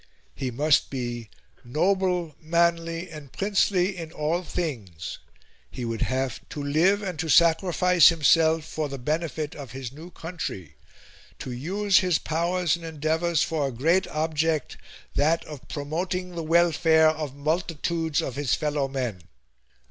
He must be "noble, manly, and princely in all things," he would have "to live and to sacrifice himself for the benefit of his new country;" to "use his powers and endeavours for a great object that of promoting the welfare of multitudes of his fellowmen."